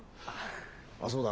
あっそうだ。